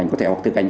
có thể hoặc thực hành